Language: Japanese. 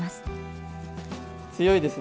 強いですね